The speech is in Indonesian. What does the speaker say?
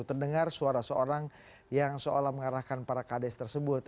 terdengar suara seorang yang seolah mengarahkan para kades tersebut